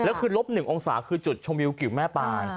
แล้วคือลบหนึ่งองศาคือจุดชมิวเกี่ยวแม่ปลาย